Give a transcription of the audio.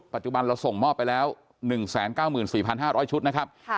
ปัจจุบันเราส่งมอบไปแล้ว๑๙๔๕๐๐ชุดนะครับ